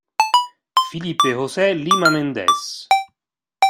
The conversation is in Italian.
Filipe José Lima Mendes